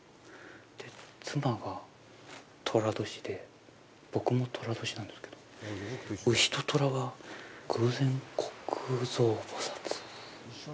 で、妻が寅年で、僕も寅年なんですけど、丑と寅が、偶然、虚空蔵菩薩。